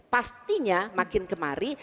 pastinya makin kemari